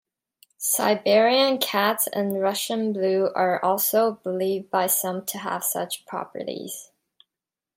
Siberian cats and Russian Blue are also believed by some to have such properties.